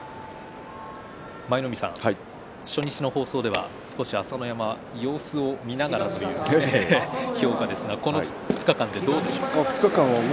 舞の海さん初日の放送では少し朝乃山、様子を見ながらという評価ですがこの２日間どうですか。